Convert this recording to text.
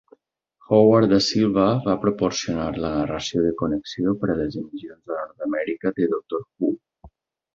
Howard Da Silva va proporcionar la narració de connexió per a les emissions a Nord-Amèrica de Doctor Who.